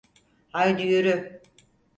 Haydi yürü!